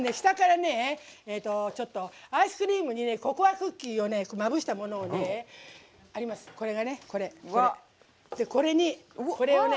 下からねちょっとアイスクリームにココアクッキーをまぶしたものがありますね、これね。